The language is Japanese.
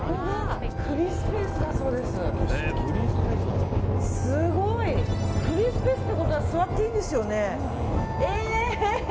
フリースペースってことは座っていいんですよね。